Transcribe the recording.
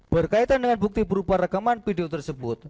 berkaitan dengan bukti berupa rekaman video tersebut